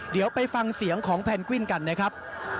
เดี๋ยวฟังให้เสียงแพนกุี่นกันในครบ